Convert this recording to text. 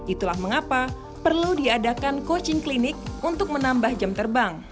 itulah mengapa perlu diadakan coaching klinik untuk menambah jam terbang